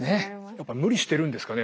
やっぱり無理してるんですかね？